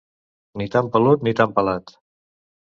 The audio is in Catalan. Ni tan pelut, ni tan pelat.